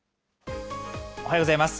おはようございます。